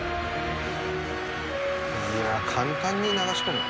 いや簡単に流し込む。